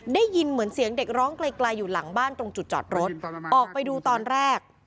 ได้ยินเหมือนเสียงเด็กร้องไกลไกลอยู่หลังบ้านตรงจุดจอดรถออกไปดูตอนแรก